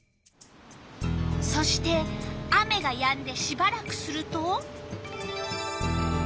そして雨がやんでしばらくすると。